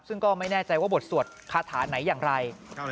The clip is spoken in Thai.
ซึ่งก็ไม่แน่ใจว่าบทสวดคาถาไหนอย่างไร